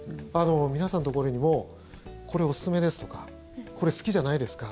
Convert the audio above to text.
皆さんのところにもこれ、おすすめですとかこれ、好きじゃないですか？